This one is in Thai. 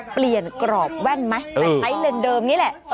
เปลี่ยนกรอบแว่นไหมใช้เลนเดิมนี้แหละ